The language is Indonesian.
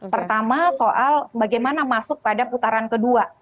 pertama soal bagaimana masuk pada putaran kedua